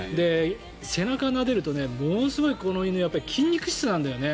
背中なでると、ものすごいこの犬は筋肉質なんだよね。